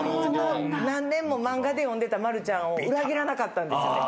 何年も漫画で読んでたまるちゃんを裏切らなかったんですよね。